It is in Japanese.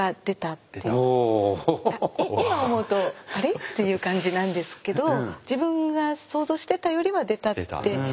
今思うと「あれ？」っていう感じなんですけど自分が想像してたよりは出たって。